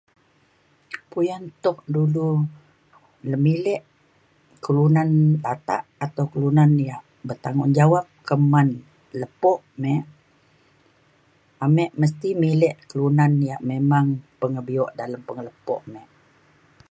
puyan tuk dulu lemilek kelunan latak atau kelunan ia' bertanggungjawab keman lepo me ame mesti milek kelunan ia' memang pengebio dalem penge'lepo me